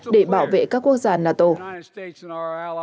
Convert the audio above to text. để bảo vệ các đồng minh của nga